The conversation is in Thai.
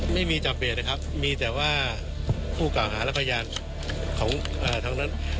ไม่มีจำเป็นนะครับมีแต่ว่าผู้เก่าหารับพยานของทั้งนั้น